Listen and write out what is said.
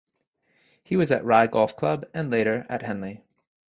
He was at Rye Golf Club and later at Henley.